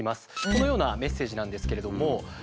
このようなメッセージなんですけれども。